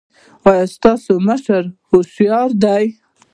ایا ستاسو مشران هوښیار دي؟